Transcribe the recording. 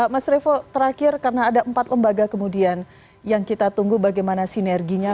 mas revo terakhir karena ada empat lembaga kemudian yang kita tunggu bagaimana sinerginya